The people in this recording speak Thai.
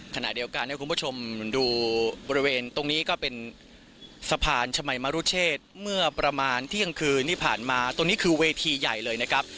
ขณะเดียวกันให้คุณผู้ชมดูบริเวณตรงนี้ก็เป็นสะพานชมัยมรุเชษเมื่อประมาณเที่ยงคืนที่ผ่านมาตรงนี้คือเวทีใหญ่เลยนะครับ